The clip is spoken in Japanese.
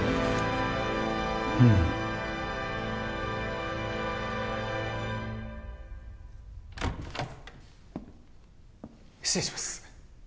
うん失礼します